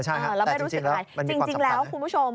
ใช่แต่จริงแล้วมันมีความจำกัดไหมจริงแล้วคุณผู้ชม